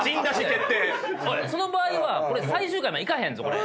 その場合はこれ最終回までいかへんぞこれ。